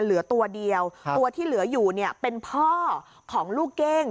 เหลือตัวเดียวตัวที่เหลืออยู่เนี่ยเป็นพ่อของลูกเก้ง